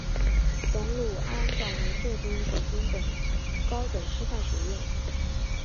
董鲁安早年就读于北京高等师范学校。